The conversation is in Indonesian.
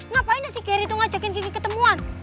ngapain ya si geri ngajakin kiki ketemuan